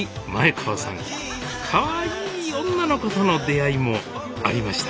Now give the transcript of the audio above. かわいい女の子との出会いもありました